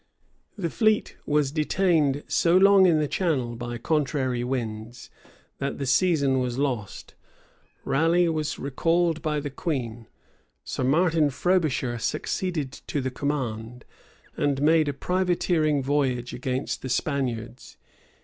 {1592.} The fleet was detained so long in the Channel by contrary winds, that the season was lost: Raleigh was recalled by the queen: Sir Martin Frobisher succeeded to the command, and made a privateering voyage against the Spaniards.